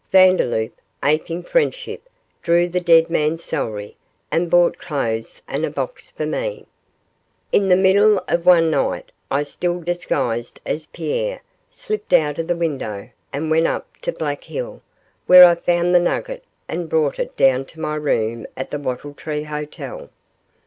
Vandeloup, aping friendship, drew the dead man's salary and bought clothes and a box for me. In the middle of one night I still disguised as Pierre, slipped out of the window, and went up to Black Hill, where I found the nugget and brought it down to my room at the Wattle Tree Hotel.